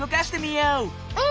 うん。